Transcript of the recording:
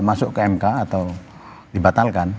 masuk ke mk atau dibatalkan